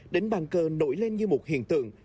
đỉnh bàn cờ nổi lên như một hiện tượng